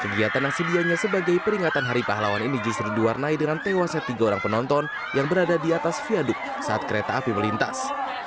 kegiatan yang sedianya sebagai peringatan hari pahlawan ini justru diwarnai dengan tewasnya tiga orang penonton yang berada di atas viaduk saat kereta api melintas